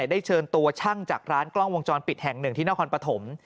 ได้เชิญตัวช่างจากร้านกล้องวงจรปิดแห่งหนึ่งที่นครปฐม